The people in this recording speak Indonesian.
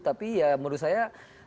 tapi ya menurut saya